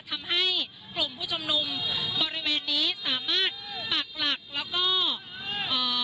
ทำให้กลุ่มผู้ชมนุมบริเวณนี้สามารถปักหลักแล้วก็เอ่อ